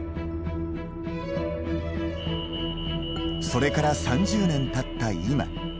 それから３０年たった今。